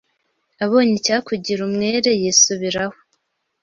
abonye icyakugira umwere yisubiraho